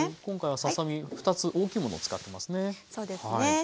今回はささ身２つ大きいものを使ってますね。